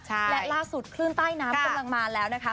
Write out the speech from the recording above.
และล่าสุดคลื่นใต้น้ำกำลังมาแล้วนะคะ